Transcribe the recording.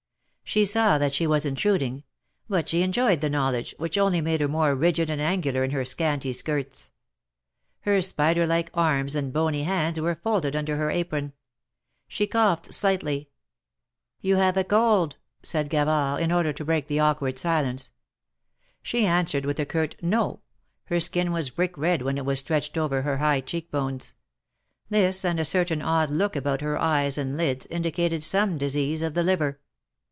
She saw that she was intruding; but she enjoyed the knowledge, which only made her more rigid and angular in her scanty skirts. Her spider like arms and bony hands were folded under her apron. She coughed slightly. "You have a cold," said Gavard, in order to break the awkward silence. She answered with a curt " No." Her skin was brick red where it was stretched over her high cheek bones. This, and a certain odd look about her eyes and lids, indicated some disease of the liver.